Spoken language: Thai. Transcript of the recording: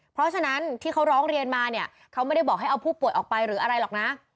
เพราะฉะนั้นที่เขาร้องเรียนมาเนี่ยเขาไม่ได้บอกให้เอาผู้ป่วยออกไปหรืออะไรหรอกนะ